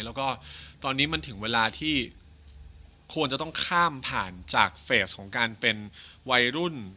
แล้วก็ตอนนี้มันถึงเวลาที่ควรจะต้องข้ามผ่านจากเฟสของการเป็นวัยรุ่น